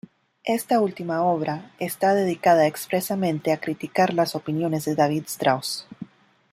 Esta última obra está dedicada expresamente a criticar las opiniones de David Strauss.